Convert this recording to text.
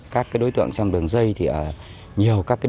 các đối tượng trong đường dây thì ở nhiều các địa bàn